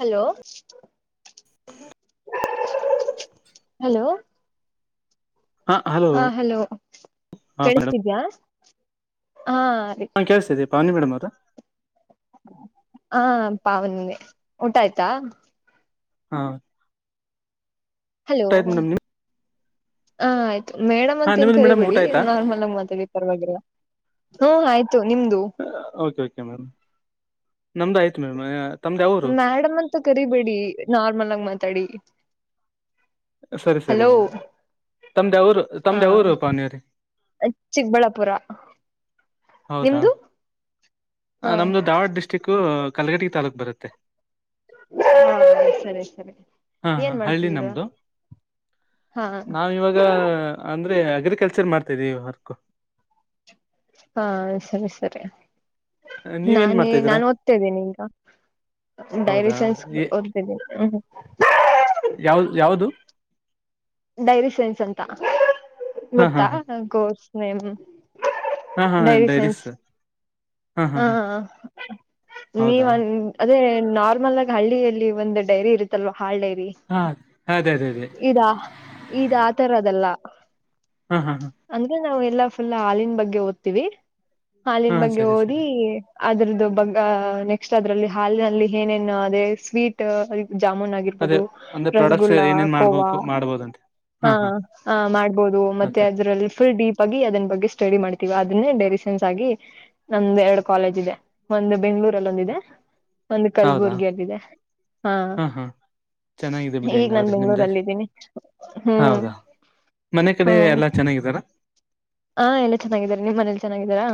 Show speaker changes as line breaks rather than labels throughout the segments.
Hello.
Hello.
Hello. ಹಾ hello
ಹಾ madam
ಕೇಳಸ್ತಿದ್ಯಾ ಹಾ ರಿ.
ಕಳ್ಸಿದೆ ಪಾನಿ ಮೇಡಮ್ ಅವ್ರು [unintelligible]
ಹಾ ಪಾವನಿನೆ ಊಟ ಆಯ್ತಾ
ಹಾ.
ಹಲೋ
ಊಟ ಆಯ್ತು ಮೇಡಮ್ ನಿಮ್
ಆಯ್ತ. ಮೇಡಮ್
ಹಾ
ಅಂತ ಏನ್
ನಿಮ್ಮದು ಮೇಡಮ್ ಊಟ
ಕರಿಬೇಡಿ
ಆಯ್ತಾ
ನಾರ್ಮಲ್ ಆಗ್ ಮಾತಾಡಿ ಪರವಾಗಿಲ್ಲ ಹ್ಮ ಆಯ್ತು ನಿಮ್ದು.
ಹ ಓಕೆ ಓಕೆ ಮ್ಯಾಮ್ ನಮ್ದ ಆಯ್ತ್.
ಮೇಡಮ್ ಅಂತ ಕರಿಬೇಡಿ ನಾರ್ಮಲ್ ಆಗ ಮಾತಾಡಿ.
ಸರಿ ಸರಿ
ಹಲೋ
ತಮ್ದಾವುರು ತಮ್ದ ಯಾವ್ ಊರು ಪಾವನಿ ಅವ್ರೆ.
ಅ ಚಿಕ್ಕಬಳ್ಳಾಪುರ.
ಹೌದಾ
ನಿಮ್ದು ಹಾ
ನಮ್ದು ಧಾವಡ ಡಿಸ್ಟ್ರಿಕ್ಕು ಕಲಗಟಿ ತಾಲೂಕ್ ಬರುತ್ತೆ.
ಹೌದ ಸರಿ ಸರಿ ಏನ್ ಮಾಡ್ತಿದೀರ.
ನಾವ ಇವಾಗ ಅಂದ್ರೆ ಅಗ್ರಿಕಲ್ಚರ್ ಮಾಡ್ತಿದೀವಿ ವರ್ಕ್.
ಹಾ ಸರಿ ಸರಿ
ನೀವೇನ್
ನಾನೇ
ಮಾಡ್ತಾ ಇದೀರಾ
ನಾನ ಓದ್ತಾ ಇದ್ದೀನಿ ಈಗ. ಡೈರಿ
ಹೌದಾ
ಸೈನ್ಸ್
ಏ-
ಓದ್ತಿನಿ ಹ್ಮ್.
ಯಾವ್ದ ಯಾವ್ದು.
ಡೈರಿ ಸೈನ್ಸ್ ಅಂತ
ಹಾ ಹಾ
ಗೊತ್ತಾ ಗೋಸ್ ನೆಮ್.
ಹಾ ಹಾ ಹಾ
ಡೈರಿ
ಡೈರೀಸ್
ಸೈನ್ಸ್
ಹಾ ಹಾ
ಹ
ಹಾ ಹೌದಾ
ನೀವಂದ ಅದೇ ನಾರ್ಮಲ್ ಅಗಿ ಹಳ್ಳಿಯಲ್ಲಿ ಒಂದು ಡೈರಿ ಇರುತ್ತಲ್ವ ಹಾಲ್ ಡೈರಿ
ಹಾ ಅದೇ ಅದೇ ಅದೇ
ಇದಾ ಇದು ಆ ತರದಲ್ಲ
ಹಾ ಹಾ ಹಾ
ಅಂದ್ರೆ ನಾವು ಎಲ್ಲಾ ಫುಲ್ ಹಾಲಿನ ಬಗ್ಗೆ ಓದ್ತಿವಿ ಹಾಲಿನ
ಹಾ
ಬಗ್ಗೆ
ಸರಿ ಸರಿ
ಓದಿ ಅದ್ರದ್ದು ಬಗ್ ನೆಕ್ಸ್ಟ್ ಅದ್ರಲ್ಲಿ ಹಾಲಿನಲ್ಲಿ ಏನೇನು ಅದೇ ಸ್ವೀಟ್ ಜಾಮೂನ್ ಆಗಿ
ಅದೇ
ಇರಬಹದು
ಅಂದ್ರೆ ಪ್ರಾಡಕ್ಟ್ಸ್
ರಸಗುಲ್ಲಾ
ಏನೇನ್
ಕೋವಾ
ಮಾಡ್ಬೇಕು ಮಾಡ್ಬೋದಂತೆ
ಹ
ಹಾ ಹಾ
ಹ ಮಾಡ್ಬೋದು ಮತ್ತೆ
ಆತರ
ಅದ್ರಲ್ಲಿ ಫುಲ್ ಬಗಿ ಅದನ್ ಬಗ್ಗೆ ಸ್ಟಡಿ ಮಾಡ್ತೀವಿ ಅದನ್ನೇ ಡೆರಿ ಸೆನ್ಸ್ ಆಗಿ ನಮ್ದುಎರಡು ಕಾಲೇಜ್ ಇದೆ ಒಂದು ಬೆಂಗಳೂರಲ್ಲಿ ಒಂದಿದೆ ಒಂದು
ಹೌದಾ
ಕಲ್ಬುರ್ಗಿಯಲ್ಲಿದೆ ಹಾ
ಚೆನ್ನಾಗಿದೆ ಬಿಡಿ
ಈಗ ನನ್
ಹಂಗಾದ್ರೆ ನಿಮ್ದೆ
ಲ್ಲಿದ್ದೀನಿ ಹ್ಮ್
ಹೌದಾ ಮನೆ ಕಡೆ
ಹ್ಮ್
ಎಲ್ಲಾ ಚೆನ್ನಾಗಿದಾರ
ಹಾ ಎಲ್ಲ ಚೆನ್ನಾಗಿದ್ದಾರೆ ನಿಮ್ಮ ಮನಲಿ ಚೆನ್ನಾಗಿದ್ದೀರಾ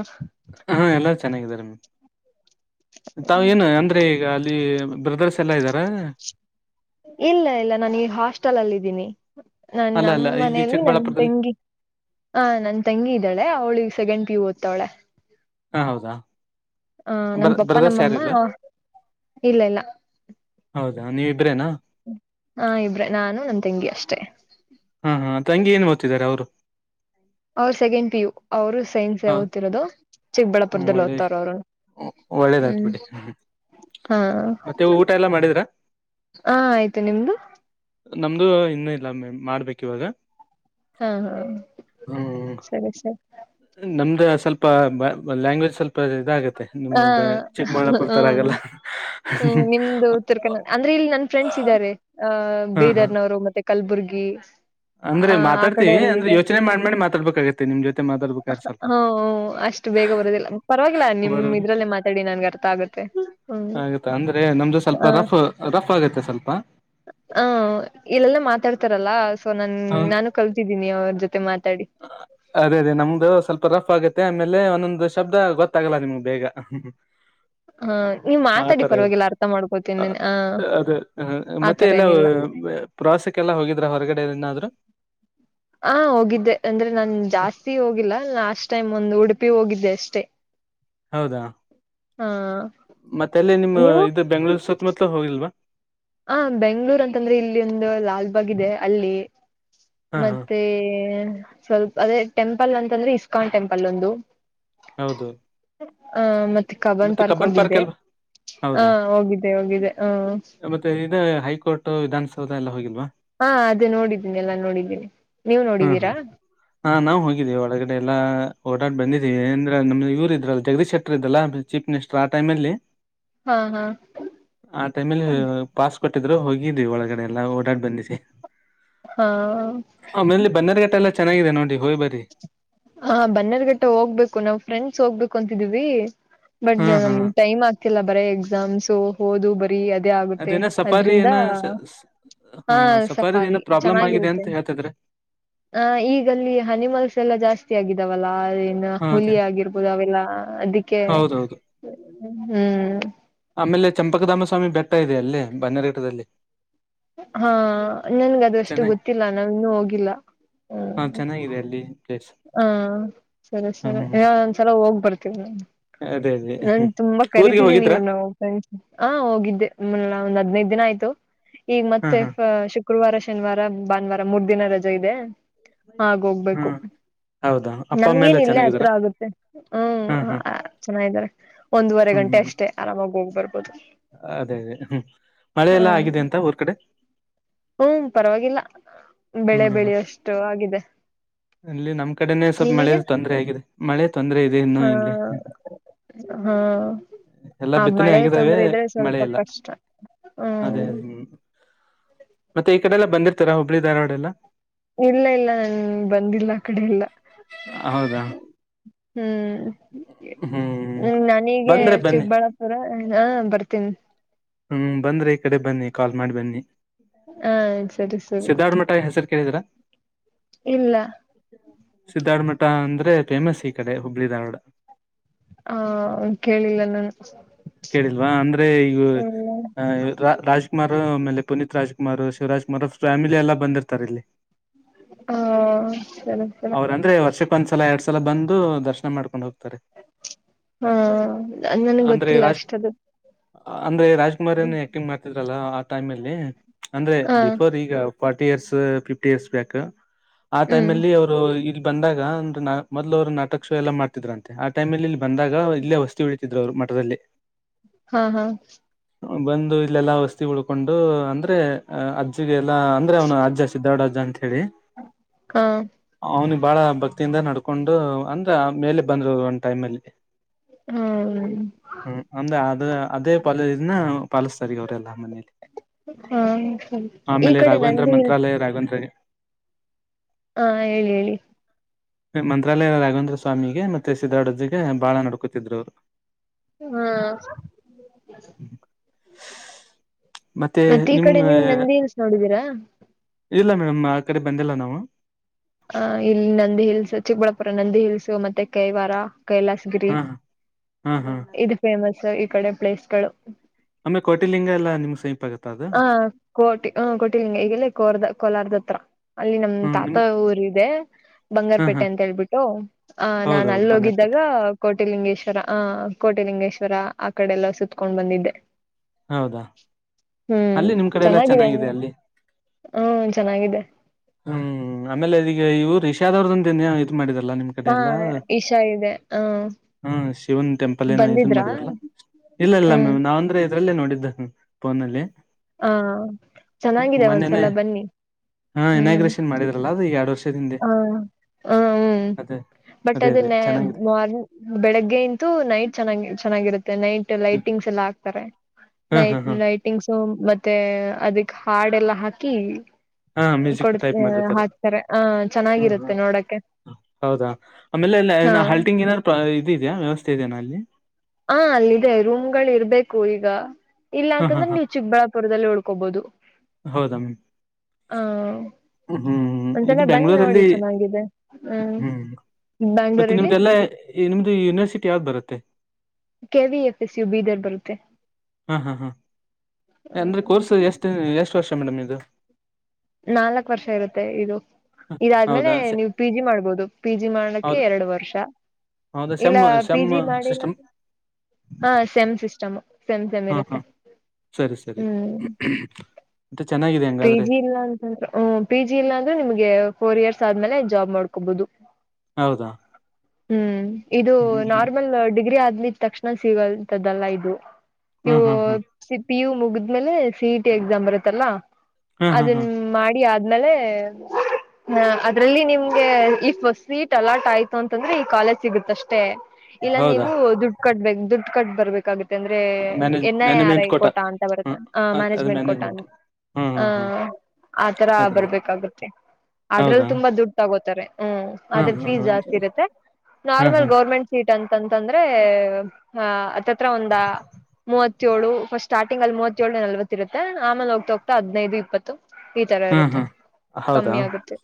ಹಾ ಎಲ್ಲ ಚೆನ್ನಾಗಿದ್ದಾರೆ ಮ್ ತಾವ ಏನು ಅಂದ್ರೆ ಈಗ ಬ್ರದರ್ಸ್ ಎಲ್ಲಾ ಇದ್ದಾರಾ
ಇಲ್ಲ ಇಲ್ಲ ನಾನು ಈಗ ಹಾಸ್ಟೆಲ್ ಅಲ್ಲಿ ಇದಿನಿ ನಾ
ಅಲ್ಲ ಅಲ್ಲ
ನಮ್ಮ
ಇಲ್ಲಿ
ಮನೇಲಿ ನನ್
ಚಿಕ್ಕಬಳ್ಳಾಪುರದಲ್ಲಿ
ತೆಂಗಿ ಹ ನನ್ ತಂಗಿ ಇದ್ದಾಳೆ ಅವಳಿಗ ಸೆಗೆಂಡ್ ಪಿಯು ಓದ್ತವಳೆ
ಹ ಹೌದಾ
ಆ
ಬ
ನಮ ಪಪ್ಪ
ಬ್ರದರ್ಸ್
ನಮ್ಮಮ್ಮ
ಯಾರಿಲ್ಲ
ಇಲ್ಲ ಇಲ್ಲ
ಹೌದಾ ನೀವ ಇಬ್ರೇನಾ
ಹಾ ಇಬ್ರೆ ನಾನು ನನ್ ತೆಂಗಿ ಅಷ್ಟೇ
ಹಾ ಹಾ ತಂಗಿ ಏನು ಓತ್ತಿದ್ದಾರೆ ಅವರು
ಅವರು ಸೆಕೆಂಡ್ ಪಿ ಯು ಅವ್ರು ಸೈನ್ಸ್
ಹ
ಓತಿರೋದು ಚಿಕ್ಕಬಳ್ಳಾಪುರದಲ್ಲಿ
ಒಳ್ಳೆ
ಓದ್ತಾರ ಅವ್ರರುನು
ಒಳ್ಳೇದಾಯ್ತ್ ಬಿಡಿ
ಹಾ
ಮತ್ತೆ ಊಟ ಎಲ್ಲಾ ಮಾಡಿದ್ರ
ಹಾ ಆಯ್ತು ನಿಮ್ದು
ನಮ್ದು ಇನ್ನೂ ಇಲ್ಲ ಮೆಂ ಮಾಡ್ಬೇಕು ಇವಾಗ
ಹಾ ಹಾ ಸರಿ ಸರಿ
ನಮ್ದ ಸ್ವಲ್ಪ ಲ್ಯಾಂಗ್ವೇಜ್ ಸ್ವಲ್ಪ ಇದಾಗುತ್ತೆ ನಿಮ್
ಹ
ಚೆಕ್ ಚಿಕ್ಕಬಳ್ಳಾಪುರ
ಹ್ಮ್
ತರಆಗಲ್ಲ
ಹ್ಮ್ ನಿಮ್ದು ಉತ್ತರ ಅಂದ್ರೆ ಇಲ್ಲಿ ನನ್ ಫ್ರೆಂಡ್ಸ್ ಇದ್ದಾರೆ ಅ
ಹಾ
ಬೀದರ್ನವರು ಮತ್ತೆ ಕಲ್ಬುರ್ಗಿ
ಅಂದ್ರೆ
ಆ ಆ
ಮಾತಾಡ್ತಿವಿ
ಕಡೆರುೂ
ಅಂದ್ರೆ
ಇದರೆ
ಯೋಚನೆ ಮಾಡ್ ಮಾಡಿ ಮಾತಾಡ್ಬೇಕಾಗತ್ತೆ ನಿಮ್ ಜೊತೆ ಮಾತಾಡ್ಬೇಕಾದ್ರೆ ಸ್ವಲ್ಪ
ಹ ಅಷ್ಟು ಬೇಗ ಬರೋದಿಲ್ಲ ಪರವಾಗಿಲ್ಲ ನೀವು
ಬರ
ಹ್ಮ ಇದ್ರಲ್ಲೇ ಮಾತಾಡಿ ನನ್ಗೆ ಅರ್ಥ ಆಗತ್ತೆ ಹ್ಮ್
ಆಗತ್ತ ಅಂದ್ರೆ ನಮ್ದು ಸ್ವಲ್ಪ
ಹ
ರಫ್ ರಫ್ ಆಗತ್ತೆ ಸ್ವಲ್ಪ
ಹ ಇಲ್ಲೆಲ್ಲ ಮಾತಾಡ್ತಾರಲ್ಲ ಸೊ ನನ್
ಹ.
ನಾನು ಕಲ್ತಿದ್ದೀನಿ ಅವ್ರ ಜೊತೆ ಮಾತಾಡಿ
ಅದೇ ಅದೇ ನಮ್ದು ಸ್ವಲ್ಪ ರಫ್ ಆಗತ್ತೆ ಆಮೇಲೆ ಒಂದೊಂದು ಶಬ್ದ ಗೊತ್ತಾಗಲ್ಲ ನಿಮ್ಗ್ ಬೇಗ [unintelligible]
ಹ ನೀವ್
ಆ
ಮಾತಾಡಿ
ತರ ಇರ್ತ್ತ
ಪರವಾಗಿಲ್ಲ ಅರ್ಥ ಮಾಡ್ಕೋತೀನಿ ಆ
ಅದೇ ಮತ್ತೆ
ಆತರ
ಎಲ್ಲ
ಏನಿಲ್ಲ
ಪ್ರವಾಸಕ್ಕೆಲ್ಲಾ ಹೋಗಿದ್ರ ಹೊರಗಡೆ ಏನಾದ್ರೂ
ಹ ಹೋಗಿದ್ದೆ ಅಂದ್ರೆ ನಾನ್ ಜಾಸ್ತಿ ಹೋಗಿಲ್ಲ ಲಾಸ್ಟ್ ಟೈಮ್ ಒಂದು ಉಡುಪಿ ಹೋಗಿದ್ದೆ ಅಷ್ಟೇ
ಹ [inaudible] ಹೌದಾ
ಹ
ಮತ್ತೆ ಅಲ್ಲಿ ನಿಮ್ಮ
ನೀವು
ಇದು ಬೆಂಗ್ಳೂರ್ ಸುತ್ಮುತ್ಲು ಹೋಗಿಲ್ವಾ
ಹ ಬೆಂಗ್ಗಳೂರ್ ಅಂತಂದ್ರೆ ಇಲ್ಲಿ ಒಂದು ಲಾಲ್ ಬಾಗ್ ಇದೆ ಅಲ್ಲಿ
ಹಾ ಹಾ
ಮತ್ತೆ ಸ್ವಲ್ಪ ಅದೇ ಟೆಂಪಲ್ ಅಂತಂದ್ರೆ ಇಸ್ಕಾನ್ ಟೆಂಪಲ್ ಒಂದು
ಹೌದು
ಹ ಮತ್ತೆ ಕಬನ್
ಮತ್ತೆ
ಪಾರ್ಕ್
ಕಬ್ಬನ್
ಹೋಗಿದ್ದೆ
ಅಲ್ವಾ
ಹ
ಹೌದಾ
ಹೋಗಿದ್ದೆ ಹೋಗಿದ್ದೆ ಹ
ಮತ್ತೆ ಇ ಹೈಕೋರ್ಟ್ ವಿಧಾನಸೌಧ ಎಲ್ಲಾ ಹೋಗಿಲ್ವಾ
ಹಾ ಅದು ನೋಡಿದ್ದೀನಿ ಎಲ್ಲಾ ನೋಡಿದ್ದೀನಿ ನೀವ್
ಹ್ಮ್
ನೋಡಿದೀರಾ
ಹ್ಮ್ ಹಾ ನಾವು ಹೋಗಿದೀವಿ ಒಳಗಡೆ ಎಲ್ಲಾ ಓಡಾಡ್ ಬಂದಿದೀವಿ ಅಂದ್ರ ನಮ್ದ ಇವರು ಇದ್ರಲ್ಲ ಜಗದೀಶ್ ಶೆಟ್ಟರ್ ಇದ್ದ್ರಲ್ಲಾ ಚೀಫ ಮಿನಿಸ್ಟರ್ ಆ ಟೈಮ್ ಅಲ್ಲಿ
ಹಾ ಹಾ
ಆ ಟೈಮಲ್ಲಿ ಪಾಸ್ ಕೊಟ್ಟಿದ್ರು ಹೋಗಿದ್ವಿ ಒಳಗಡೆ ಎಲ್ಲಾ ಓಡಾಡ್ ಬಂದಿವಿ
ಹಾ
ಆಮೇಲಿ ಬನ್ನೆರಗಟ್ಟಾ ಎಲ್ಲಾ ಚೆನ್ನಾಗಿದೆ ನೋಡಿ ಹೋಗಿ ಬರಿ
ಹಾ ಬನ್ನೆರಗಟ್ಟಾ ಹೋಗ್ಬೇಕು ನಾವ್ ಫ್ರೆಂಡ್ಸ್ ಹೋಗ್ಬೇಕು ಅಂತಿದೀವಿ ಬಟ್
ಹಾ ಹಾ
ನಮ್ಗೆ ಟೈಮ್ ಆಗ್ತಿಲ್ಲಾ ಬರೆ ಎಕ್ಸಾಮ್ಸ್ ಓದು ಬರ ಬರಿ ಅದೇ ಆಗುತ್ತೆ
ಅದೇನ ಸಫಾರಿ
ಅದ್ರಿಂದ
ಏನ
ಹಾ
ಸಫಾರಿದ
ಸಫಾರಿ
ಏನೋ ಪ್ರಾಬ್ಲಮ್ ಆಗಿದೆ
ಚೆನ್ನಾಗಿರುತ್ತೆ.
ಅಂತ ಹೇಳ್ತಿದ್ರೆ
ಹಾ ಈಗಲ್ಲಿ ಅನಿಮಲ್ಸ್ ಎಲ್ಲಾ ಜಾಸ್ತಿ ಆಗಿದಾವಲ್ಲಾ
ಹಾ
ಹುಲಿ
ಅದೇ
ಆಗಿರ್ಬೋದು ಅವೆಲ್ಲಾ ಅದಕ್ಕೆ
ಹೌದೌದು
ಹುಂ
ಆಮೇಲೆ ಚಂಪಕಧಾಮಸ್ವಾಮಿ ಬೆಟ್ಟಾ ಇದೆ ಅಲ್ಲಿ ಬನ್ನೆರಘಟ್ಟದಲ್ಲಿ
ಹಾ ನನ್ಗ ಅದಷ್ಟು
ಚೆನ್ನಾಗಿ
ಗೊತ್ತಿಲ್ಲಾ ನಾವ ಇನ್ನು ಹೋಗಿಲ್ಲಾ ಹ್
ಹಾ ಚೆನ್ನಾಗಿದೆ ಅಲ್ಲಿ. ಪ್ಲೇಸ್
ಹಾ ಸರಿ
ಹ್ಮ್
ಸರಿ
ಹ್ಮ್
ಇ
ಹ್ಮ್
ಒಂದ್ಸಲಾ ಹೋಗ್ ಬರ್ತೀವಿ ನಾ
ಅದೇ ಅದೇ
ನಾನ್
ಹ್ಮ್
ತುಂಬಾ
ಊರಿಗೆ
ಕರೀತಿದ್ದೀನಿ
ಹೋಗಿದ್ರಾ
ನಾ ಇವುನು ಹಾ ಹೋಗಿದ್ದೆ ಮುಲ್ಲಾ ಒಂದ್ ಹದಿನೈದ ದಿನಾ ಆಯ್ತು ಈಗ
ಹಾ
ಮತ್ತೆ
ಹಾ
ಶುಕ್ರವಾರ ಶನಿವಾರ ಭಾನುವಾರ ಮೂರ್ ದಿನ ರಜೆ ಇದೆ. ಆಗ
ಹಾ
ಹೋಗ್ಬೇಕು
ಹೌದಾ ಅಪ್ಪ ಅಮ್ಮ ಎಲ್ಲ
ನಮ್ಗೇನಿಲ್ಲೇ ಹತ್ರ
ಚೆನ್ನಾಗಿದಾರ
ಆಗುತ್ತೆ ಹ್ಮ್
ಹಾ ಹಾ
ಚೆನ್ನಾಗಿ ಆದರೆ ಒಂದೂವರೆ
ಹ್ಮ್
ಗಂಟೆ
ಹ್ಮ್
ಅಷ್ಟೇ ಆರಾಮಾಗಿ ಹೋಗಿ ಬರಬಹುದು
ಅದೇ ಅದೇ ಹುಂ ಮಳೆ ಎಲ್ಲಾ ಆಗಿದೆ ಅಂತಾ ಊರ್ ಕಡೆ
ಹುಂ ಪರವಾಗಿಲ್ಲಾ ಬೆಳೆ ಬೆಳಿ ಅಷ್ಟು ಆಗಿದೆ
ಅಲ್ಲಿ ನಮ್ ಕಡೆನೆ ಸ್ವಲ್ಪ ಮಳೆ
ನಿಮಗೆ
ತೊಂದರೆ ಆಗಿದೆ ಮಳೆ ತೊಂದರೆ ಇದೆ ಇ ಇನ್ನು
ಹಾ
ಇಲ್ಲಿ
ಹಾ
ಎಲ್ಲಾ
ಆ
ಬಿತ್ತನೆ
ಮಳೆ
ಆಗಿದ್ದಾವೆ
ತೊಂದ್ರೆ ಇದ್ರೆ
ಮಳೆ
ಸ್ವಲ್ಪ
ಇಲ್ಲ
ಕಷ್ಟ
ಅದೇ
ಹ್ಮ್
ಅದೇ ಹ್ ಮತ್ತೆ ಈ ಕಡೆ ಎಲ್ಲ ಬಂದಿರ್ತಾ ಹುಬ್ಬಳ್ಳಿ ಧಾರವಾಡ ಎಲ್ಲಾ
ಇಲ್ಲಾ ಇಲ್ಲಾ ನಾನ್ ಬಂದಿಲ್ಲಾ ಆ ಕಡೆ ಎಲ್ಲಾ
ಹೌದಾ
ಹುಂ
ಹ್ಮ್
ಹುಂ ನಾನೀಗೆ
ಬಂದ್ರೆ ಬನ್ನಿ
ಚಿಕ್ಕಬಳ್ಳಾಪುರ ಹ ಬರ್ತೀನಿ
ಹ್ಮ್ ಬಂದ್ರೆ ಈ ಕಡೆ ಬನ್ನಿ ಕಾಲ್ ಮಾಡಿ ಬನ್ನಿ
ಹ ಸರಿ ಸರಿ
ಸಿದ್ದಾರ್ ಮಠಾ ಹೆಸರು ಕೇಳಿದರಾ
ಇಲ್ಲಾ
ಸಿದ್ದಾರೋಡ ಮಠಾ ಅಂದ್ರೆ ಫೇಮಸ್ ಈ ಕಡೆ ಹುಬ್ಬಳ್ಳಿ ಧಾರವಾಡ
ಹಾ ಕೇಳಿಲ್ಲಾ ನಾನು ಹ್
ರಾಜ್ ಕುಮಾರ್ ಆಮೇಲೆ Puneeth Rajkumar Shivarajkumar family ಎಲ್ಲಾ ಬಂದಿರುತ್ತಾರೆ ಇಲ್ಲಿ.
ಹ ಸರಿ ಸರಿ
ಅವರಂದ್ರೆ ವರ್ಷ ಒಂದ್ಸಲಾ ಎರಡ್ ಸಲಾ ಬಂದು ದರ್ಶನ ಮಾಡ್ಕೊಂಡು ಹೋಗ್ತಾರೆ.
ಹಾ ನನಗ್ ಗೊತ್ತಿಲ್ಲಾ ಅಷ್ಟದು
ಅಂದ್ರೆ ರಾಜ್ ಕುಮಾರ್ ಏನ ಆಕ್ಟಿಂಗ್ ಮಾಡ್ತಿದ್ರಲ್ಲಾ ಆ ಟೈಮ್ ಅಲ್ಲಿ ಅಂದ್ರೆ
ಹ
ಬಿಫೋರ್ ಈಗ forty years fifty years back ಆ ಟೈಮ್
ಹ್ಮ್
ಅಲ್ಲಿ ಅವರು ಇಲ್ಲಿ ಬಂದಾಗ ಮೊದ್ ಅವ್ರು ನಾಟಕ ಶೋ ಎಲ್ಲಾ ಮಾಡ್ತಿದ್ರಂತೆ ಆ ಟೈಮ್ ಅಲ್ಲಿ ಬಂದಾಗ ಇಲ್ಲೇ ವಸ್ತಿ ಉಳಿತಿದ್ರು ವರು [unintelligible] ಮಠದಲ್ಲಿ
ಹಾ ಹಾ
ಬಂದು ಇಲ್ಲೆಲ್ಲಾ ವಸ್ತಿ ಉಳ್ಕೊಂಡು ಅಂದ್ರೆ ಅಜ್ಜಿಗೆ ಎಲ್ಲಾ ಅಂದ್ರೆ ಅವ್ನು ಅಜ್ ಸಿದ್ದಾಡ್ಜ್ಜಅಂತ ಹೇಳಿ
ಹಾ
ಅವ್ನಿಗೆ ಬಾಳ ಭಕ್ತಿಯಿಂದ ನಡ್ಕೊಂಡು ಅಂದ್ರ ಆ ಮೇಲೆ ಬಂದ್ರು ಒಂದ ಟೈಮ್ ಅಲ್ಲಿ
ಹ್ಮ್
ಹ್ಮ ಅಂತ ಅದ ಅದೇ ಪಲ್ದಿನ ಪಾಲಿಸ್ತಾರಾ ಈಗ ಅವರೆಲ್ಲ ಮನೇಲಿ
ಹಾ ಸರಿ ಈ
ಆಮೇಲೆ
ಕಡೆ
ರಾಘವೇಂದ್ರ
ನಂದಿ ಹಿಲ್ಸ್
ಮಂತ್ರಾಲಯ ರಾಘವೇಂದ್ರ
ಹಾ ಹೇಳಿ ಹೇಳಿ
ಮಂತ್ರಾಲಯ ರಾಘೇಂದ್ರ ಸ್ವಾಮಿಗೆ ಮತ್ತೆ ಸ್ಧಡಜಿಗೆ ಬಾಳ ನಡ್ಕತಿದ್ರು ಅವರು
ಹಾ ಮತ್ತೆ ಈ ಕಡೆ ನೀವು ನಂದಿಲ್ಸ್ ನೋಡಿದೀರಾ
ಇಲ್ಲ ಮೇಡಮ್ ಆ ಕಡೆ ಬಂದಿಲ್ಲ ನಾವು
ಹ ಇಲ್ಲಿ ನಂದಿ ಹಿಲ್ಸ್ ಚಿಕ್ಕಬಳ್ಳಾಪುರ ನಂದಿ ಹಿಲ್ಸ್ ಮತ್ತೆ ಕೈವಾರ ಕೈ
ಹಾ ಹಾ ಹಾ
ಗಿರಿಇದು ಫೇಮಸ್ ಈ ಕಡೆ ಪ್ಲೇಸ್ ಗಳು
ಆಮೆ ಕೊಟಿಲಿಂಗ ಎಲ್ಲ ಸಂಪತ್ತ ಅದು [unintelligible]
ಹ ಕೋಟಿ ಹ ಕೋಟಿಲಿಂಗ ಈಗೆಲ್ಲೇ ಕೋರ್ದ ಕೋಲಾರದ ಹತ್ರ ಅಲ್ಲಿ ನಮ್
ಹ್ಮ್
ತಾತ
ನಿಮ್
ಊರು ಇದೆ
ಹಾ
ಬಂಗಾರಪೇಟೆ
ಹಾ
ಅಂತ ಹೇಳ್ಬಿಟ್ಟು ಆ ನಾನ್
ಹೌದೌದು
ಅಲ್ಲಿ ಹೋಗಿದ್ದಾಗ
ಬಂಗಾರಪೇಟೆ
ಕೋಟಿಲಿಂಗೇಶ್ವರ ಆ ಕೋಟಿಲಿಂಗೇಶ್ವರ ಆ ಕಡೆ ಎಲ್ಲ ಸುತ್ತತ್ಕೊಂಡ್ ಬಂದಿದ್ದೆ
ಹೌದಾ
ಹ್ಮ್
ಅಲ್ಲಿ ನಿಮ್ ಕಡೆ ಎಲ್ಲಾ
ಚೆನ್ನಾಗಿದೆ ನೀ
ಅಲ್ಲಿ
ಹ್ಮ ಚೆನ್ನಾಗಿದೆ
ಹ್ಮ್ ಆಮೇಲೆ ಇದಗ ಇವು ರಿಷಾದವ್ರದಂದ ನ್ಯ ಇ ಇದ್ ಮಾಡಿದರಲ್ಲಾ ಕಡೆ
ಹಾ
ಎಲ್ಲ
ಇಶಾ ಇದೆ ಹ್ಮ
ಹಾ ಶಿವನ್ ಟೆಂಪಲ್ ಏನೋ ಇದನ್
ಬಂದಿದ್ರಾ
ಮಾಡಿದಾರಲ್ಲ ಇಲ್ಲ ಇಲ್ಲ
ಹ್ಮ್
ಮ್ಯಾಮ್ ನಾವ ಅಂದ್ರೆ ಇದ್ರಲ್ಲೇ ನೋಡಿದ್ದ ಫೋನಲ್ಲಿ
ಹಾ
ಮೊನ್ನ ಹ
ಹ್ಮ್
ಇನಾಗ್ರೇಷನ್ ಮಾಡಿದ್ರಲ್ಲ ಅದು ಈಗ
ಹ ಹ ಹ್ಮ್
ಅದೇ
ಬಟ್
ಅದೇ ಅದೇ
ಅದನ್ನ
ಚೆನ್ನಾಗಿದೆ
ಮಾರ್ನಿಂಗ ಬೆಳಗ್ಗೆ ಗಿಂತು ನೈಟ್ ಚೆನ್ನಾಗಿ ಚೆನ್ನಾಗಿರುತ್ತೆ ನೈಟ್ ಲೈಟಿಂಗ್ಸ್ ಎಲ್ಲಾ ಆಗ್ತಾರೆ
ಹಾ ಹಾ
ನೈಟ್
ಹಾ
ಲೈಟಿಂಗ್ಸು ಮತ್ತೆ ಅದಕ್ ಹಾಡೆಲ್ಲ ಹಾಕಿ
ಹಾ ಮ್ಯೂಸಿಕ್
ಕೊಡ್
ಟೈಪ್ ಮಾಡಿರ್ತಾರೆ
ಹಾಕ್ತಾರೆ ಆ
ಹ ಹ
ಚೆನ್ನಾಗಿರುತ್ತೆ ನೋಡಕ್ಕೆ
ಹೌದಾ ಆಮೇಲೆ
ಹಾ
ಅಲ್ಲಿ ಹಂಗೇನಾರು ಇದು ಇದೆಯ ವ್ಯವಸ್ಥೆ ಇದೆನ ಅಲ್ಲಿ
ಹ ಅಲ್ಲಿದೆ ರೂಮ್ಗಳು ಇರ್ಬೇಕು ಈಗ
ಹಾ ಹಾ
ಇಲ್ಲಾಂತಂದ್ರೆ
ಹಾ
ನೀವು ಚಿಕ್ಕಬಳ್ಳಾಪುರದಲ್ಲಿ ಉಳ್ಕೋಬಹುದು
ಹೌದಾ ಮೆಂ
ಹಾ
ಇದು
ಒಂದ್ಸಲ ಬಂದ್ ನೋಡಿ
ಬೆಂಗಳೂರಲ್ಲಿ
ಚೆನ್ನಾಗಿದೆ ಹ್ಮ್
ಮತ್ತೆ
ಬ್ಯಾಂಗ್ಳೂರಲ್ಲಿ
ನಿಮ್ದೆಲ್ಲ ನಿಮ್ದು ಯೂನಿವರ್ಸಿಟಿ ಯಾವ್ದ್ ಬರುತ್ತೆ
K V F S U Bidar ಬರುತ್ತೆ
ಹಾಂ ಹಾಂ ಹಾ ಅಂದ್ರೆ
ಹ್ಮ್
ಕೋರ್ಸ್ ಎಷ್ಟು ಎಷ್ಟು ವರ್ಷ ಮೇಡಮ್ ಇದು
ನಾಲ್ಕ್ ವರ್ಷ ಇರುತ್ತೆ ಇದು. ಇದಾದ್ಮೇಲೆ
ಹೌದಾ
ನೀವು ಪಿ ಜಿ ಮಾಡ್ಬೋದು ಪಿ ಜಿ ಮಾಡ್ಲಕ್ಕೆ
ಹೌದಾ
ಎರಡು ವರ್ಷ
ಹೌದಾ
ಇಲ್ಲ
ಸೆಮ್
ಪಿ
ಸೆಮ್
ಜಿ ಮಾಡಿಲ್ಲ
ಸಿಸ್ಟಮ್
ಹ [unintelligible] ಸೆಮ್ ಸಿಸ್ಟಮ್ ಸೆಮ್ ಸೆಮ್
ಹಾ
ಇರುತ್ತೆ
ಹಾ ಸರಿ ಸರಿ
ಹ್ಮ್
ಮತ್ತೆ ಚೆನ್ನಾಗಿದೆನೆ
ಜಿ ಇಲ್ಲಾ ಅಂದ್ರೆ ನಿಮಗೆ ಫೋರ್ ಇಯರ್ಸ್ ಆದ್ಮೇಲೆ ಜಾಬ್ ಮಾಡ್ಕೊಬಹುದು
ಹೌದಾ
ಹ್ಮ್ ಇದು
ಹ್ಮ್
ನಾರ್ಮಲ್ ಡಿಗ್ರಿ ಆಗಿದ ತಕ್ಷಣ ಸಿಗೋಂತದ್ದಲ್ಲ ಇದು
ಹ್ಮ್
ನೀವು
ಹ್ಮ್ ಹ್ಮ್
ಸಿ ಪಿ ಯು ಮುಗಿದ್ಮೇಲೆ ಸಿಇ ಟಿ ಎಕ್ಸಾಮ್ ಬರುತ್ತಲ್ಲಾ
ಹ್ಮ್ ಹ್ಮ್ ಹ್ಮ್
ಅದನ್
ಹ್ಮ್
ಮಾಡಿ ಆದ್ಮೇಲೆ ಹ ಅದ್ರಲ್ಲಿ ನಿಮ್ಗೆ ಈ ಫಸ್ಟ್ ಸೀಟ್ ಅಲಾಟ್ ಆಯ್ತು ಅಂತಂದ್ರೆ ಈ ಕಾಲೇಜ್ ಸಿಗುತ್ತಷ್ಟೇ ಇಲ್ಲ
ಹೌದಾ
ನೀವು ದುಡ್ಡು ಕಟ್ಬೇಕು ದುಡ್ಡು ಕಟ್ಟ ಬರ್ಬೇಕಾಗತ್ತೆ ಅಂದ್ರೆ
manage
N I R
management
ಐ
ಕೋಟ
ಕೋಟಾ ಅಂತ
ಹ್ಮ
ಬರುತ್ತಾ ಆ
ಅದು ಅದು
ಮ್ಯಾನೇಜ್ಮೆಂಟ್ ಕೋಟಾ ಅಂತ
ಹ್ಮ್
ಹಾ
ಹ್ಮ್ ಹ್ಮ್
ಆತರ
ಅದೇ
ಬರ್ಬೇಕಾಗತ್ತೆ ಅದ್ರಲ್ಲಿ
ಹೌದಾ
ತುಂಬಾ ದುಡ್ಡು ತಗೋತಾರೆ ಹ್ಮ್ ಅದ್ರಲ್ಲಿ
ಹ್ಮ್
ಫೀಸ್
ಹ್ಮ್
ಜಾಸ್ತಿ ಇರುತ್ತೆ
ಹ್ಮ್
ನಾರ್ಮಲ್
ಹ್ಮ್
ಗೌರ್ಮೆಂಟ್ ಸೀಟ್ ಅಂತಂತಂದ್ರೆ ಹತ್ತತ್ರ ಒಂದ ಮೂವತ್ತೇಳು ಫಸ್ಟ್ ಸ್ಟಾರ್ಟಿಂಗ್ ಅಲ್ಲಿ ಮೂವತ್ತೇಳಳ್ ನಲ್ವತ್ತ ಇರುತ್ತೆ ಆಮೇಲೆ ಹೋಗ್ತಾ ಹೋಗತಾ ಹದಿನೈದು ಇಪ್ಪತ್ತು ಈ ತರ
ಹ್ಮ್
ಇರುತ್ತೆ
ಹ್ಮ್ ಹೌದಾ
ಕಮ್ಮಿ ಆಗುತ್ತೆ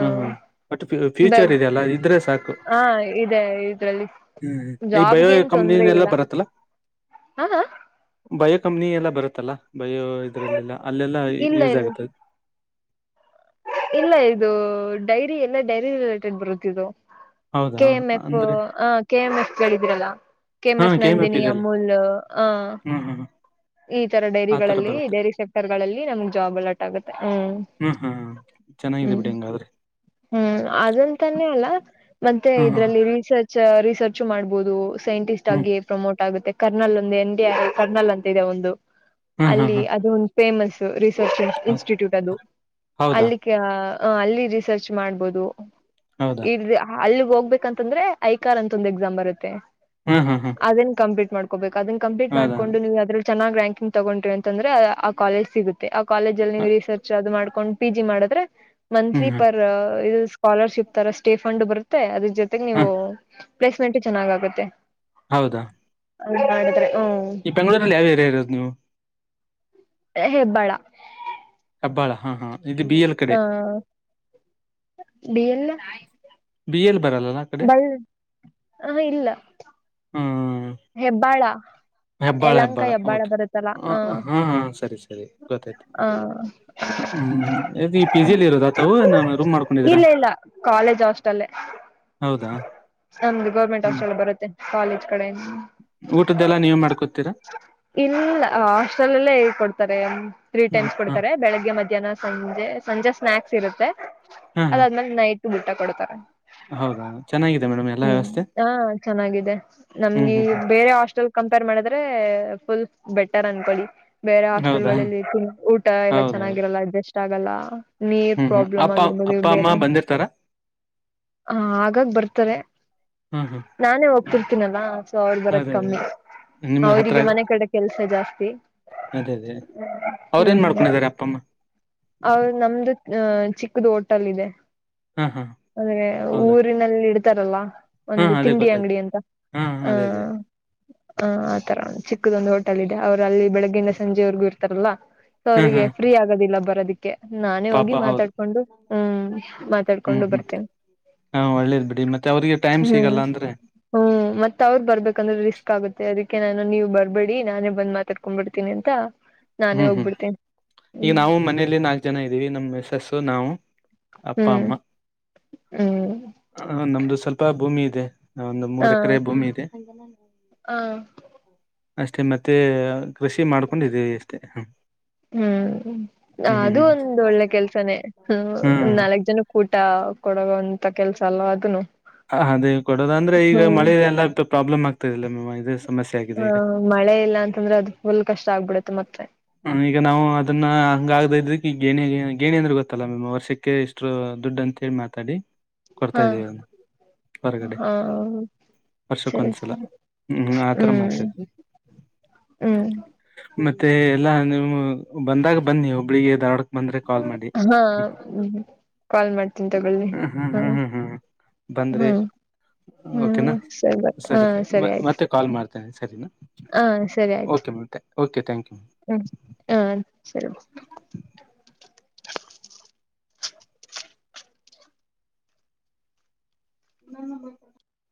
ಹ್ಮ್ ಹ್ಮ್ ಬಟ್ ಫ್ಯೂಚರ್ ಇದೆಯಲ್ಲ ಇದ್ರೆ ಸಾಕು
ಹಾ ಇದೆ ಇದ್ರಲ್ಲಿ
ಹ್ಮ್ ಈ ಬಯೋ
ಜಾಬ್ಗೆ ಏನ್ ತೊಂದ್ರೆ
ಕಂಪ್ನಿನೆಲ್ಲ
ಇಲ್ಲ
ಬರತ್ತಲ್ಲ
ಹ
ಬಯೋ ಕಂಪ್ನಿ ಎಲ್ಲ ಬರುತ್ತಲ್ಲ ಬಯೋ ಅಲ್ಲೆಲ್ಲಾ
ಇಲ್ಲ
ಯೂಸ್
ಇಲ್ಲ
ಆಗುತ್ತೆ
ಇಲ್ಲ ಇದು ಡೈರಿ ಎಲ್ಲ ಡೈರಿ ರಿಲೇಟೆಡ್ ಬರುತ್ತ ಇದು
ಹೌದಾ
ಕೆ ಎಂ ಎಫ್
ಅಂದ್ರೆ
ಹ ಕೆ ಎಂ ಎಫ್ ಕೇಳಿದೀರಲ್ಲ ಕೆ ಎಮ
ಹಾ
ಎಫ್ ನಂದಿನಿ ಅಮುಲ್ ಆ
ಹ್ಮ
ಈ ತರ ಡೈರಿಗಳಲ್ಲಿ ಡೈರಿ ಸೆಕ್ಟರ್ ಗಳಲ್ಲಿ ನಮ್ಗ್ ಜಾಬ್ ಅಲಾಟ್ ಆಗುತ್ತೆ ಹ್ಮ
ಹ್ಮ್ ಹಾ ಚೆನ್ನಾಗಿದೆ ಬಿಡಿ ಹಂಗಾದ್ರೆ
ಹ್ಮ್ ಅದಂತಾನೆ ಅಲ್ಲ ಮತ್ತೆ
ಹ್ಮ್
ಇದ್ರಲ್ಲಿ
ಹ್ಮ್
ರಿಸರ್ಚ್ ರಿಸರ್ಚು ಮಾಡ್ಬೋದು ಸೈಂಟಿಸ್ಟ್
ಹ್ಮ್
ಆಗಿ ಪ್ರಮೋಟ್ ಆಗುತ್ತೆ ಕರ್ನಲ್ ಒಂದು ಎನ್ ಡಿ ಕರ್ನಲ್ ಅಂತದೆ ಒಂದು
ಹ್ಮ್ ಹ್ಮ್
ಅಲ್ಲಿ
ಹ್ಮ್
ಅದು ಒಂದು ಫೇಮಸ್ ರಿಸರ್ಚ್
ಹೌದ
ಇನ್ಸ್ಟಿಟ್ಯೂಟ್ ಅದು
ಹೌದಾ
ಅಲ್ಲಿ ಅಲ್ಲಿ ರಿಸರ್ಚ್ ಮಾಡ್ಬೋದು
ಹೌದಾ
ಅಲ್ಲಿಗ್ ಹೋಗ್ಬೇಕಂತಂದ್ರೆ ಐಕಾರ್ ಅಂತ ಒಂದ್ ಎಕ್ಸಾಮ್ ಬರುತ್ತೆ
ಹ್ಮ್ ಹ್ಮ್ ಹ್ಮ್
ಅದನ್ ಕಂಪ್ಲೀಟ್ ಮಾಡ್ಕೋಬೇಕು ಅದನ್ನ ಕಂಪ್ಲೀಟ್
ಹೌದಾ
ಮಾಡ್ಕೊಂಡು ನೀವು ಅದ್ರ ಚೆನ್ನಾಗ ರ್ಯಾಂಕಿಂಗ್ ತಗೊಂಡ್ರಿ ಅಂತಂದ್ರೆ ಆ ಕಾಲೇಜ್ ಸಿಗುತ್ತೆ ಆ ಕಾಲೇಜ ಅಲ್ಲಿ ನೀವು ರಿಸರ್ಚ್ ಅದು ಮಾಡ್ಕೊಂಡು ಪಿ ಜಿ ಮಾಡಿದ್ರೆ ಮಂತ್ಲಿ
ಹ್ಮ್ ಹ್ಮ್
ಪರ್ ಇದು ಸ್ಕಾಲರ್ಶಿಪ್ ತರ ಸ್ಟೇ ಫಂಡ್ ಬರುತ್ತೆ ಜೊತೆಗ್ ನೀವು
ಹ್ಮ್
ಪ್ಲೇಸ್ಮೆಂಟ್ ಚೆನ್ನಾಗ ಆಗುತ್ತೆ
ಹೌದಾ
ಹಂಗ ಮಾಡಿದ್ರೆ ಹ್ಮ
ಬೆಂಗಳೂಲ್ಲಿ ಯಾವ ಏರಿಯಾ ಇರೋದ ನೀವು
ಹೆಬ್ಬಾಳ
ಹೆಬ್ಬಾಳ ಹಾ ಹಾ ಇದು ಬಿ ಎ
ಹಾ ಬಿ ಎಲ
ಬಿ ಎಲ್ ಬರಲ್ಲಲ್ಲ ಕಡೆ
ಹ ಇಲ್ಲ
ಹೂ
ಹೆಬ್ಬಾಳ
ಹೆಬ್ಬಾಳ
ಯಲಂಕ
ಹೆಬ್ಬಾಳ
ಬರುತ್ತಲ್ಲ
ಹಾ
ಹ
ಹಾ ಸರಿ ಸರಿ ಗೊತ್ತಾಯ್ತು
ಹ
ಹ್ಮ್ ಹ್ಮ್ ಈದಿ ಪಿಜಿಯಲ್ಲಿ ಇರೋದ ಅಥಾವ ರೂಮ್ ಮಾಡ್ಕೊಂಡಿದ್ರಾ.
ಇಲ್ಲ ಇಲ್ಲ ಕಾಲೇಜ್ ಹಾಸ್ಟೆಲ್ಲೆ
ಹೌದಾ
ಅಂದು ಗೌರ್ಮೆಂಟ್
ಹ್ಮ್
ಹಾಸ್ಟೆಲ್ ಬರತ್ತೆ. ಕಾಲೇಜ್ ಕಡೆಇನ್.
ಊಟದ್ದೆಲ್ಲ ನೀವು ಮಾಡ್ಕೊತೀರಾ.
ಇಲ್ಲ ಹಾಸ್ಟೆಲಲ್ಲೆ ಕೊಡ್ತಾರೆ ತ್ರೀ
ಹ್ಮ್
ಟೈಮ್ಸ್
ಹ
ಕೊಡ್ತಾರೆ. ಬೆಳಿಗ್ಗೆ ಮಧ್ಯಾಹ್ನ ಸಂಜೆ ಸಂಜೆ ಸ್ನಾಕ್ಸ್ ಇರುತ್ತೆ
ಹಾ ಹಾ
ಅದಾದ್ಮೇಲೆ ನೈ ಟುಬು ಊಟ ಕೊಡ್ತಾರೆ.
ಹೌದಾ ಚೆನ್ನಾಗಿದೆ ಮೇಡಮ್ ಎಲ್ಲಾ
ಹ್ಮ್
ವ್ಯವಸ್ಥೆ
ಹ ಚೆನ್ನಾಗಿದೆ
ಹ್ಮ್
ನಮ್ಗೆ.
ಹ್ಮ್
ಬೇರೆ ಹಾಸ್ಟೆಲ್ ಕಂಪೇರ್ ಮಾಡಿದ್ರೆ ಫುಲ್ ಬೆಟರ್ ಅನ್ಕೊಳ್ಳಿ. ಬೇರೆ
ಹ್ಮ್ ಹೌದಾ
ಹಾಸ್ಟೆಲ್ಗಳಲ್ಲಿ ತುನ್ ಊಟ ಎಲ್ಲಾ
ಹೌದೌದು
ಚೆನ್ನಾಗಿರಲ್ಲ ಅಡ್ಜಸ್ಟ್ ಆಗಲ್ಲಾ. ನೀರ್
ಹ್ಮ್ ಹ್ಮ್
ಪ್ರಾಬ್ಲಮ್
ಅಪ್ಪ
ಆಗಿರ್ಬೋದು
ಅಪ್ಪ ಅಮ್ಮ
ಬೇರೇ.
ಬಂದಿರ್ತಾರ
ಹ ಆಗಾಗ ಬರ್ತಾರೆ
ಹ್ಮ್ ಹ್ಮ್
ನಾನೇ ಹೋಗ್ತಿರ್ತೀನಲ್ಲಾ ಸೊ ಅವ್ರಿ ಬರದ್
ಅದೇ ಅದೇ
ಕಮ್ಮಿ
ನಿಮ್ಗೆ ಹತ್ರ
ಅವ್ರಿಗೆ ಮನೆ
ಆಗತ್ತೆ
ಕಡೆ ಕೆಲ್ಸ ಜಾಸ್ತಿ.
ಅದೇ ಅದೇ ಅವ್ರ ಏನ್
ಹ್ಮ್
ಮಾಡ್ಕೊಂಡಿದ್ದಾರೆ ಅಪ್ಪ ಅಮ್ಮ
ಅವ್ನ್ ನಮ್ದು ನ್ಯ್ ಚಿಕ್ಕುದು ಹೋಟಲ್ ಇದೆ.
ಹಾ ಹಾ
ಅದೆ
ಹೌದಾ
ಊರಿನಲ್ಲಿ ಇಡ್ತಾರಲ್ಲಾ.
ಹಾ
ಒಂದು
ಅದೇ
ತಿಂಡಿ
ಗೊತ್ತಾಯ್ತು
ಅಂಗಡಿ ಅಂತ
ಹಾ
ಹ.
ಅದೇ ಅದೇ
ಹಾ ಆ ತರ ಚಿಕ್ಕದೊಂದು ಹೋಟೆಲ್ ಇದೆ ಅವ್ರು ಅಲ್ಲಿ ಬೆಳಗ್ಗಿಂದ ಸಂಜೆವರೆಗೂ ಇರ್ತಾರಲ್ಲಾ. ಸೋ
ಹಾ
ಅವ್ರಿಗೆ
ಹಾ
ಫ್ರೀ ಆಗದಿಲ್ಲ ಬರೋದಿ ಕೆ ನಾನೇ
ಪಾಪ
ಹೋಗಿ
ಹೌದು
ಮಾತಾಡ್ಕೊಂಡು ಹ್ಮ್ ಮಾತಾಡ್ಕೊಂಡು
ಹ್ಮ್ ಹ್ಮ್
ಬರ್ತೇನಿ.
ಹಾ ಒಳ್ಳೇದ್ ಬಿಡಿ ಮತ್ತೆ ಅವ್ರಿಗೆ ಟೈಮ್
ಹ್ಮ್
ಸಿಗಲ್ಲ ಅಂದ್ರೆ.
ಹ್ಮ್ ಮತ್ತ್ ಅವ್ರ್ ಬರ್ಬೇ ಕಂದ್ರೆ ರಿಸ್ಕ್ ಆಗುತ್ತೆ ಅದಿಕ್ಕೆ ನಾನು ನೀವು ಬರ್ಬೇಡಿ ನಾನೇ ಬಂದ್ ಮಾತಾಡ್ಕೊಂಡ್ ಬಿಡ್ತಿನಿ ಅಂತಾ.
ಹ್ಮ್ ಹ್ಮ್ ಈಗ ನಾವು ಮನೇೆಯಲ್ಲಿ ನಾ ಚನ ಇದೀವಿ ನಮ್ಮ ಮಿಸಸ್ಸು ನಾವು ಅಪ್ಪ
ಹ್ಮ್
ಅಮ್ಮ.
ಹ್ಮ್
ಹ ನಮ್ದು ಸ್ವಲ್ಪ ಭೂಮಿ ಇದೆ ಒಂದು ಮೂರ್ ಎಕ್ರೆ ಭೂಮಿ ಇದೆ.
ಹಾ
ಅಷ್ಟೇ ಮತ್ತೆ ಕೃಷಿ ಮಾಡ್ಕೊಂಡಿದಿವಿ ಅಷ್ಟೇ ಹ್ಮ್.
ಹ್ಮ್
ಹ್ಮ್
ಅದೂ ಒಂದ್ ಒಳ್ಳೆ ಕೆಲ್ಸನೇ
ಹ್ಮ್ ಹ್ಮ್
ನಾಲ್ಕ್ ಜನು ಕೂಟ ಕೊಡಗೋಂತ ಕೆಲ್ಸ ಅಲ್ವಾ ಅದನು.
ಹ ಅದೇ ಕೊಡೋದಂದ್ರೆ ಈಗ ಮಳೆ ಎಲ್ಲ ಪೆ ಪ್ರಾಬ್ಲಮ್ ಆಗ್ತದಿಲ್ಲಮ್ಮವ್ವ ಇದೆ ಸಮಸ್ಯೆ ಆಗಿದೆ
ಆ
ಈಗ.
ಮಳೆ ಇಲ್ಲ ಅಂತಂದ್ರೆ ಅದು ಫುಲ್ ಕಷ್ಟ ಆಗ್ಬಿಡುತ್ತೆ ಮತ್ತೆ.
ಹ್ಮ್ ಈಗ ನಾವು ಅದನ್ನ ಹಂಗ ಆಗ್ದ ಇದ್ದಿಕಿಂಗ ಏನೆ ಗಿ ಗೇಣಿ ಅಂದ್ರೆ ಗೊತ್ತಲ್ಲ ಮೆಮ್ ವರ್ಷಕ್ಕೆ ಇಷ್ಟು ದುಡ್ಡು ಅಂತೇಳಿ ಮಾತಾಡಿ
ಹಾ
ಕೊಡ್ತಾ ಇದಿವಿ ಅನ್.
ಹಾ ಸರಿ
ವರ್ಷಕ್ಕೊಂದ್ಸಲ
ಸರಿ
ಹ್ಮ್ ಆತರ
ಹ್ಮ್.
ಮಾಡ್ತಾ ಇದ್ವಿ
ಹ್ಮ್
ಮತ್ತೆ ಎಲ್ಲಾ ನೀವು ಬಂದಾಗ ಬನ್ನಿ ಹುಬ್ಬುಳಿಗೆ ದಾರ್ವಾಡ್
ಹಾ ಕಾಲ್ ಮಾಡ್ತೀನಿ ತಗೊಳ್ಳಿ
ಹ್ಮ್ ಹ್ಮ್
ಹಾ.
ಹ್ಮ್ ಹ್ಮ್ ಹ್ಮ್ ಬಂದ್ರೆ
ಹ್ಮ್ ಹ್ಮ್
ಓಕೆನಾ
ಬ ಹಾ
ಸರಿ ಸರಿ ಮ
ಆಯ್ತು
ಮತ್ತೆ ಕಾಲ್ ಮಾ ಸರಿನಾ
ಹಾ
ಓಕೆ ಮತ್ತೆ ಓಕೆ ಥ್ಯಂಕಿಯು.
ಹ್ಮ ಹ ಸರಿ.
[unintelligible]